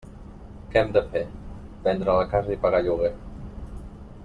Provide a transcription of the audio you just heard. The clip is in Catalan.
Què hem de fer, vendre la casa i pagar lloguer.